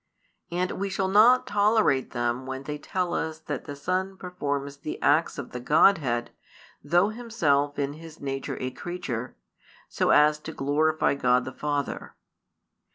And we shall not tolerate them when they tell us that the Son performs the acts of the Godhead, though Himself in His nature a creature, so as to glorify God the Father.